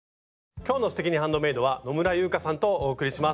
今日の「すてきにハンドメイド」は野村佑香さんとお送りします。